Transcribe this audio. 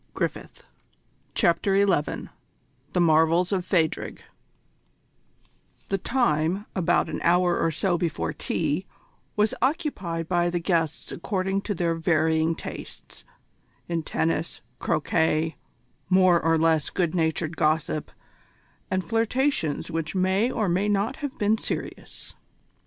|||++ CHAPTER XI THE MARVELS OF PHADRIG The time, about an hour or so before tea, was occupied by the guests according to their varying tastes in tennis, croquet, more or less good natured gossip, and flirtations which may or may not have been serious.